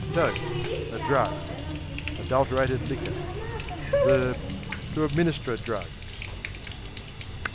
Dope A drug; adulterated liquor. v. To administer drugs.